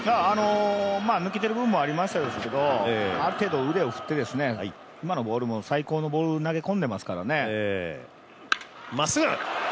抜けている部分もありましたけど、ある程度、腕を振って今のボールも最高のボールを投げ込んでますからね。